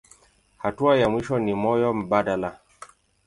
Hatua ya mwisho ni moyo mbadala.